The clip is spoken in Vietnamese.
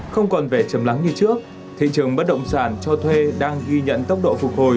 không còn vẻ chầm lắng như trước thị trường bất động sản cho thuê đang ghi nhận tốc độ phục hồi